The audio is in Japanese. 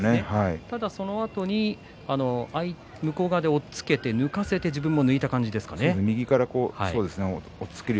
ただその辺り向こう側を押っつけて抜かせて自分からも抜いた感じだったですかね。